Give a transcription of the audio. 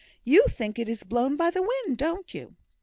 You think it is blown by the wind, don't you?"